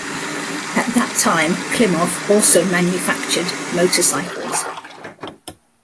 At that time Klimov also manufactured motorcycles.